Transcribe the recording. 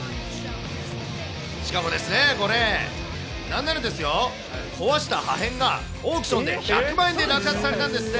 しかも、これ、なんならですよ、壊した破片がオークションで１００万円で落札されたんですって。